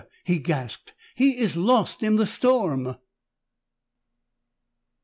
he gasped. "He is lost in the storm!"